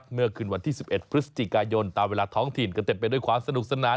เมื่อคืนวันที่๑๑พฤศจิกายนตามเวลาท้องถิ่นก็เต็มไปด้วยความสนุกสนาน